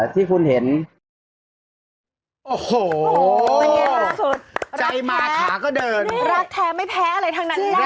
ที่คุณเห็นโอ้โหสุดใจมาขาก็เดินรักแท้ไม่แพ้อะไรทั้งนั้นแหละ